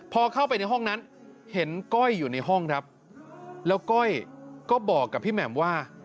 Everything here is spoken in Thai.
พอเข้าไปในห้องนั้นเห็นก้อยอยู่ในห้องครับแล้วก้อยก็บอกกับพี่แหม่มว่า